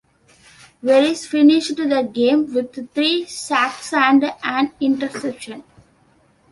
Veris finished the game with three sacks and an interception.